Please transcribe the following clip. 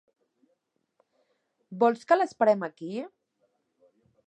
¿Vols que l'esperem aquí?